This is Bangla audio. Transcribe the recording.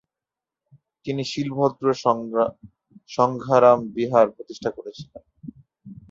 তিনি 'শীলভদ্র সংঘারাম বিহার' প্রতিষ্ঠা করেছিলেন।